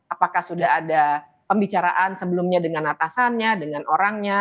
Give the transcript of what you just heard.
apakah sudah ada pembicaraan sebelumnya dengan atasannya dengan orangnya